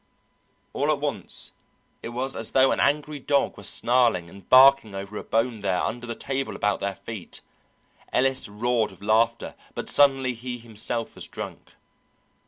All at once it was as though an angry dog were snarling and barking over a bone there under the table about their feet. Ellis roared with laughter, but suddenly he himself was drunk.